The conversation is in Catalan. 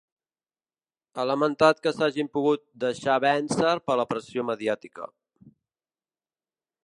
Ha lamentat que s’hagin pogut ‘deixar vèncer per la pressió mediàtica’.